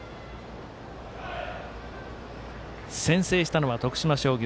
先制したのは徳島商業。